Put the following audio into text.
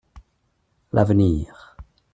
L’avenir.